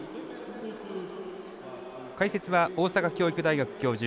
解説は大阪教育大学教授